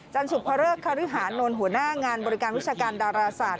จันสุพระฤกษ์คาริหารนวลหัวหน้างานบริการวิชาการดาราศาสตร์